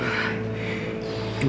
kamu ingin tetap